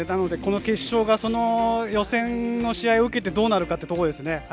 決勝が予選の試合を受けてどうなるかというところですね。